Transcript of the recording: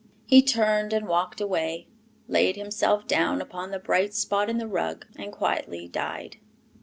He turned and walked away, laid himself down upon the bright spot in the rug, and quietly died.